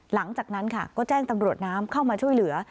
หลังจากนั้นค่ะก็แจ้งตำรวจน้ำเข้ามาช่วยเหลือ